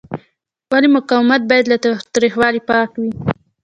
ولې مقاومت باید له تاوتریخوالي پاک وي؟